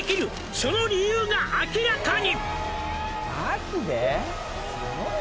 「その理由が明らかに」